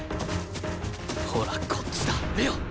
ほらこっちだ玲王！